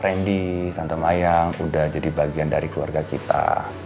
randy tante maya udah jadi bagian dari keluarga kita